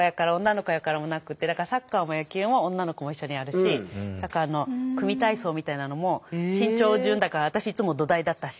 だからサッカーも野球も女の子も一緒にやるし組み体操みたいなのも身長順だからあたしいつも土台だったし。